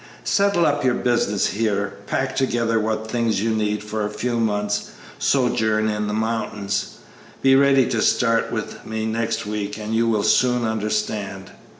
"Settle up your business here, pack together what things you need for a few months' sojourn in the mountains, be ready to start with me next week, and you will soon understand."